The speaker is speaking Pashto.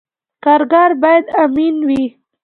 کارګر باید امین وي